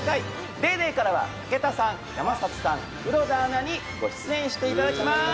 『ＤａｙＤａｙ．』からは武田さん、山里さん、黒田アナにご出演していただきます。